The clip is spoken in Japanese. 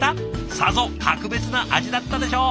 さぞ格別な味だったでしょう。